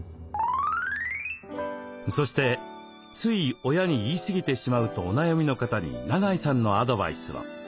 そして「つい親に言い過ぎてしまう」とお悩みの方に永井さんのアドバイスを。